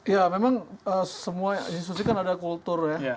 ya memang semua institusi kan ada kultur ya